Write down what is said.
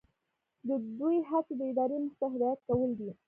د دوی هڅې د ادارې موخې ته هدایت کول دي.